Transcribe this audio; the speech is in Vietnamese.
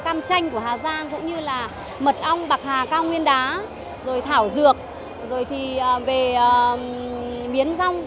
cam chanh của hà giang cũng như là mật ong bạc hà cao nguyên đá thảo dược miến rong